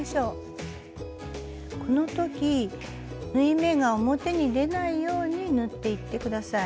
この時縫い目が表に出ないように縫っていって下さい。